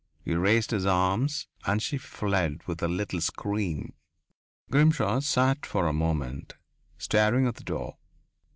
He raised his arms, and she fled with a little scream. Grimshaw sat for a moment staring at the door.